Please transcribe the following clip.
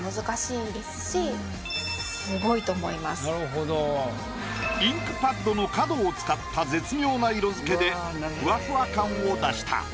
これインクパッドの角を使った絶妙な色付けでふわふわ感を出した。